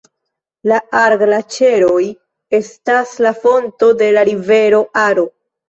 La Ar-Glaĉeroj estas la fonto de la rivero Aro.